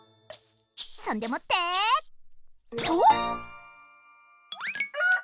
そんでもってとう！